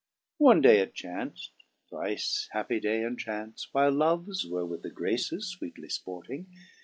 5 One day it chanc't, thrice happy day and chance ! While Loves were with the Graces fweetly fporting.